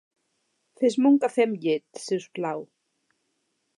Fes-me un cafè amb llet, si us plau.